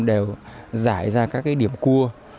đều giải ra các điểm cua